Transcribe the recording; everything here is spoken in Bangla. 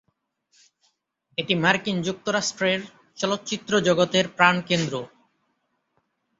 এটি মার্কিন যুক্তরাষ্ট্রের চলচ্চিত্র জগতের প্রাণকেন্দ্র।